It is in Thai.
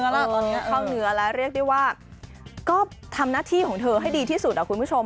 เอาเนื้อแล้วเรียกได้ว่าก็ทำหน้าที่ของเธอให้ดีที่สุดนะคุณผู้ชม